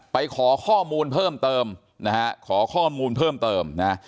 ขอข้อมูลเพิ่มเติมนะฮะขอข้อมูลเพิ่มเติมนะฮะ